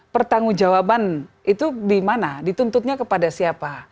pertanggung jawaban itu dimana dituntutnya kepada siapa